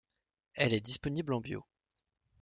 Elle est disponible en bio.